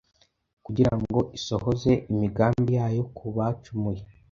kugira ngo isohoze imigambi yayo ku bacumuye.